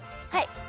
はい。